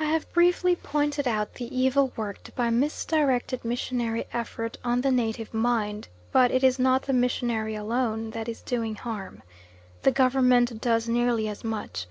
I have briefly pointed out the evil worked by misdirected missionary effort on the native mind, but it is not the missionary alone that is doing harm. The Government does nearly as much.